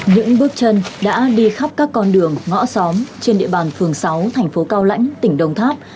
những bước chân đã đi khắp các con đường ngõ xóm trên địa bàn phường sáu thành phố cao lãnh tỉnh đồng tháp